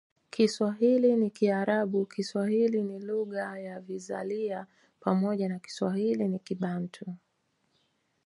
Kiswahili ni Kiarabu Kiswahili ni lugha ya vizalia pamoja na Kiswahili ni Kibantu